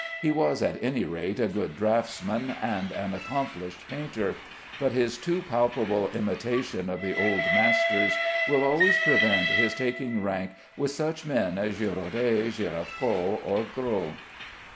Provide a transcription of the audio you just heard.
He was at any rate a good draughtsman and an accomplished painter, but his too palpable imitation of the old masters will always prevent his taking rank with such men as Girodet, Géricault, or Gros.